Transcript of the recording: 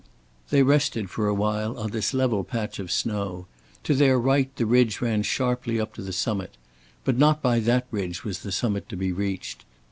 They rested for a while on this level patch of snow. To their right the ridge ran sharply up to the summit. But not by that ridge was the summit to be reached.